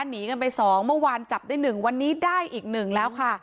หนีกันไป๒เมื่อวานจับได้๑วันนี้ได้อีกหนึ่งแล้วค่ะ